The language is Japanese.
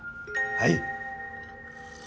はい。